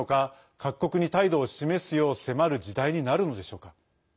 各国に態度を示すよう迫る時代になるのでしょうか。